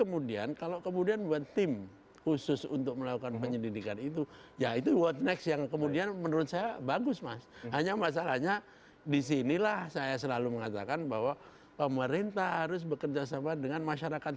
mohon maaf waktu kami terbatas